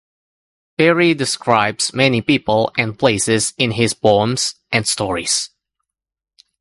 Berry describes many people and places in his poems and stories.